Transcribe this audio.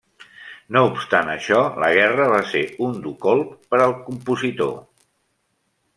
No obstant això, la guerra va ser un dur colp per al compositor.